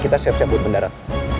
kita siap siap buat mendarat